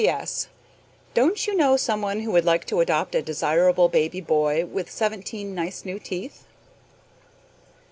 P.S. Don't you know some one who would like to adopt a desirable baby boy with seventeen nice new teeth?